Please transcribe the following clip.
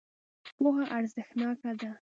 پوهه ارزښتناکه ده.